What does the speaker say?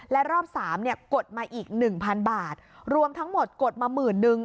และรอบสามเนี่ยกดมาอีกหนึ่งพันบาทรวมทั้งหมดกดมาหมื่นนึง